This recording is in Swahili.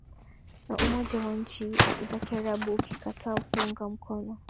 na umoja wa nchi za kiarabu ukikataa kuunga mkono